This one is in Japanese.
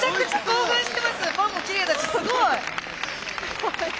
パンもきれいだしすごい！